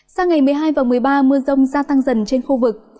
sang ngày một mươi hai và một mươi ba mưa rông gia tăng dần trên khu vực